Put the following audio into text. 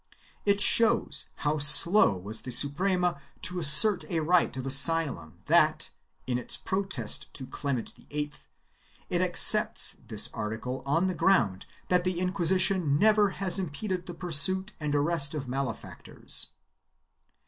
It shows how slow was the Suprema to assert a right of asylum that, in its protest to Clement VIII, it accepts this article on the ground that the Inquisition never has impeded the pursuit and arrest of malefactors.